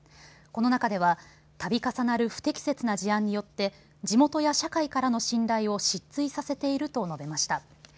この中ではたび重なる不適切な事案によって地元や社会からの信頼を失墜させていると述べました。